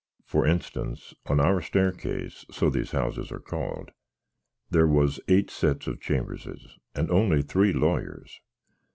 Frinstance, on our stairkis (so these houses are called), there was 8 sets of chamberses, and only 3 lawyers.